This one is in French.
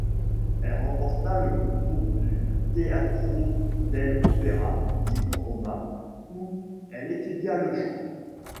Elle remporta le concours du Teatro dell'Opera di Roma où elle étudia le chant.